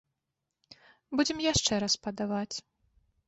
Будзем яшчэ раз падаваць.